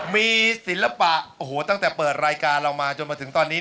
มีศิลปะโอ้โหตั้งแต่เปิดรายการเรามาจนมาถึงตอนนี้